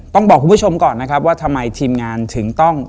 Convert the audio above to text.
ต้องบอกคุณผู้ชมก่อนนะครับว่าทำไมทีมงานถึงต้อง